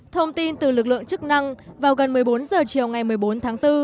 thông tin từ lực lượng chức năng vào gần một mươi bốn h chiều ngày một mươi bốn tháng bốn